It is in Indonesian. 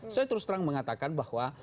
saya terus terang mengatakan bahwa